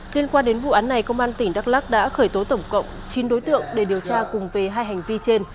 liên quan đến vụ án này công an tỉnh đắk lắc đã khởi tố tổng cộng chín đối tượng để điều tra cùng về hai hành vi trên